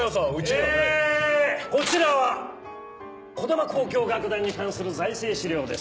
えこちらは児玉交響楽団に関する財政資料です。